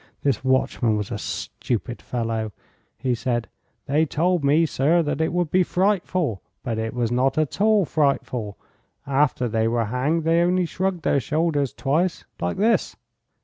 This watchman was a stupid fellow. He said: 'They told me, sir, that it would be frightful, but it was not at all frightful. After they were hanged they only shrugged their shoulders twice, like this.